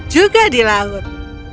juga di laut